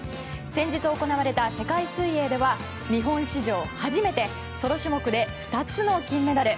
先日、行われた世界水泳では日本史上初めてソロ種目で２つの金メダル。